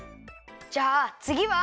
じゃあつぎは。